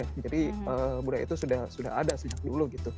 jadi budaya itu sudah ada sejak dulu